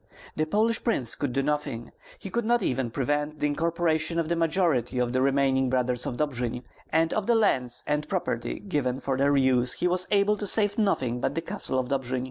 The Polish prince could do nothing; he could not even prevent the incorporation of the majority of the remaining Brothers of Dobjin, and of the lands and property given for their use he was able to save nothing but the castle of Dobjin.